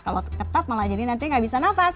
kalau ketat malah jadi nanti nggak bisa nafas